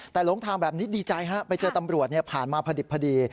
แต่หลงทางแบบนี้ดีใจฮะไปเจอตำรวจผ่านมาพอดิบพอดี